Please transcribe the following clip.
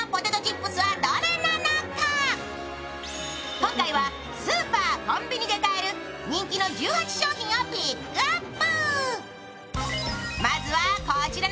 今回はスーパーコンビニで買える人気の１８商品をピックアップ。